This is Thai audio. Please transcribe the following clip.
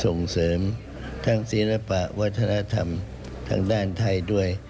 ส่งเสริมทั้งศิลปะวัฒนธรรมทางด้านไทยด้วย